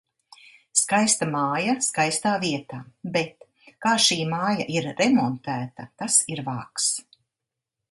Skaista māja, skaistā vietā. Bet... Kā šī māja ir remontēta, tas ir vāks.